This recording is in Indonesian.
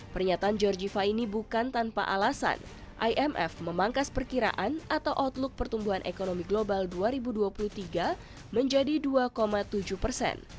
pernyataan georgiva ini bukan tanpa alasan imf memangkas perkiraan atau outlook pertumbuhan ekonomi global dua ribu dua puluh tiga menjadi dua tujuh persen